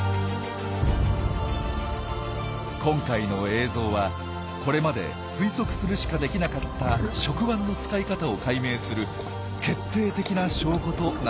今回の映像はこれまで推測するしかできなかった触腕の使い方を解明する決定的な証拠となったんです。